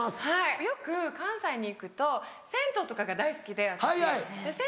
はいよく関西に行くと銭湯とかが大好きで私。